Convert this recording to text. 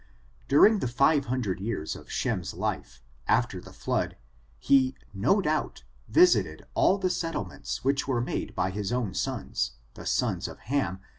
During the five hundred years of Shem's life, after ^ the flood, he, no doubt, visited all the settlements which were made by his own sons, the sons of Ham.